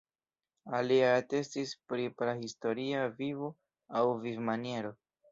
Aliaj atestis pri prahistoria vivo aŭ vivmaniero.